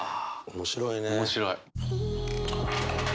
面白い。